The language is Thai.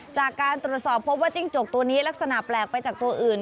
จากการตรวจสอบพบว่าจิ้งจกตัวนี้ลักษณะแปลกไปจากตัวอื่น